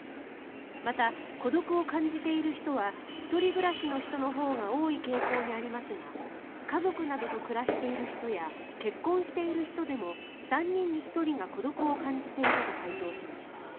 また、孤独を感じている人は１人暮らしの人のほうが多い傾向にありますが家族などと暮らしている人や結婚している人でも３人に１人が孤独を感じていると回答しました。